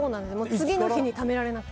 次の日にためられなくて。